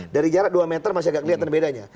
dari jarak dua meter masih agak kelihatan bedanya